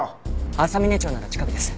浅峰町なら近くです。